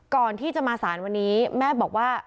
ก่อนที่จะมาสารวันนี้แม่บอกว่า